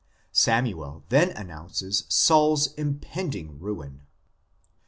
Samuel then announces Saul s impending ruin.